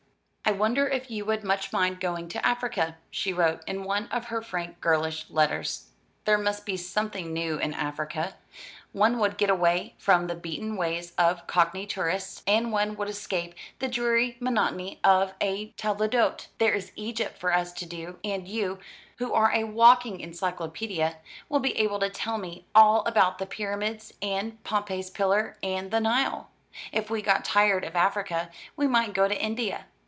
"I wonder if you would much mind going to Africa?" she wrote, in one of her frank girlish letters. "There must be something new in Africa. One would get away from the beaten ways of Cockney tourists, and one would escape the dreary monotony of a table d'hôte. There is Egypt for us to do; and you, who are a walking encyclopaedia, will be able to tell me all about the Pyramids, and Pompey's Pillar, and the Nile. If we got tired of Africa we might go to India.